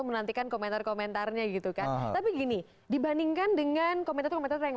menantikan komentar komentarnya gitu kan tapi gini dibandingkan dengan komentar komentar yang